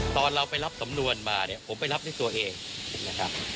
ตอนเราไปรับสำนวนมาเนี่ยผมไปรับด้วยตัวเองนะครับ